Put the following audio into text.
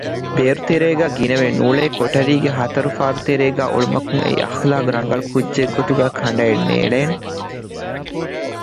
ބޭރުތެރޭގައި ގިނަވެ ނޫޅެ ކޮޓަރީގެ ހަތަރު ފާރުތެރޭގައި އުޅުމަކުން އެއީ އަޚްލާޤްރަނގަޅު ކުއްޖެއްގެ ގޮތުގައި ކަނޑައެއް ނޭޅޭނެ